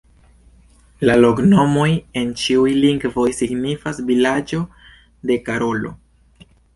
La loknomoj en ĉiuj lingvoj signifas: "Vilaĝo de Karolo".